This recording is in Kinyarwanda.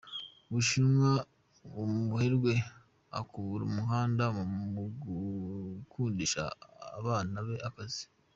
U Bushinwa Umuherwe akubura umuhanda mu gukundisha abana be akazi